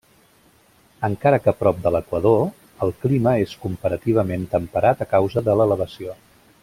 Encara que prop de l'equador, el clima és comparativament temperat a causa de l'elevació.